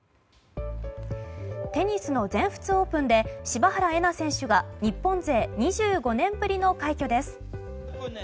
テニスの全仏オープンで柴原瑛菜選手が日本勢２５年ぶりの快挙です。